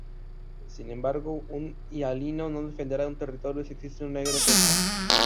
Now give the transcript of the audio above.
Sin embargo, un hialino no defenderá un territorio si existe un negro cerca.